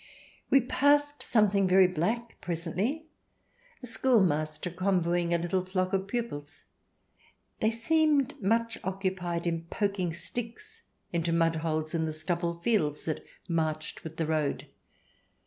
We passed something very black presently — a schoolmaster convoying a little flock of pupils. They seemed much occupied in poking sticks into mud holes in the stubble fields that marched with the road.